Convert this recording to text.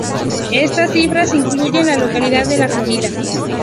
Estas cifras incluyen la localidad de La Florida.